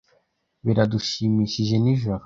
Baradushimishije nijoro.